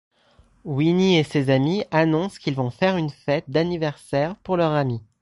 Winnie et ses amis annoncent qu'il vont faire une fête d'anniversaire pour leur ami.